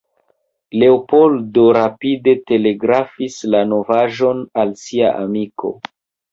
Leopoldo rapide telegrafis la novaĵon al sia amiko.